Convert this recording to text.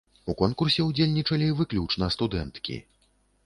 У конкурсе ўдзельнічалі выключна студэнткі.